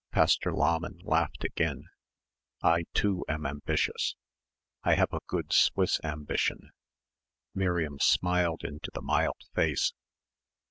Pastor Lahmann laughed again. "I, too, am ambitious. I have a good Swiss ambition." Miriam smiled into the mild face.